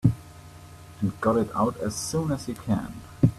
And got it out as soon as you can.